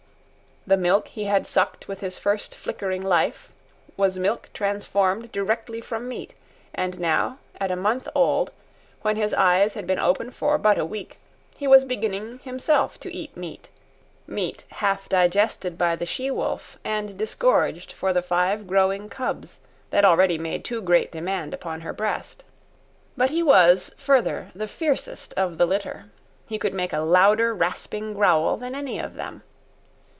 The milk he had sucked with his first flickering life, was milk transformed directly from meat, and now, at a month old, when his eyes had been open for but a week, he was beginning himself to eat meat—meat half digested by the she wolf and disgorged for the five growing cubs that already made too great demand upon her breast. But he was, further, the fiercest of the litter. He could make a louder rasping growl than any of them.